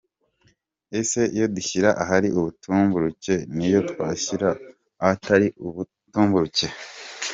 Ese iyo dushyira ahari ubutumburuke ni yo twashyira ahatari ubutumburuke?.